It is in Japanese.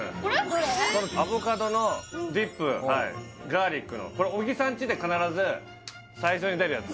アボカドのディップガーリックのこれ小木さんちで必ず最初に出るやつ